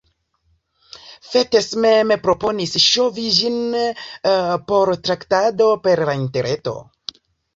Fettes mem proponis ŝovi ĝin por traktado per la interreto.